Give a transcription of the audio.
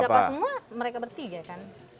berapa semua mereka bertiga kan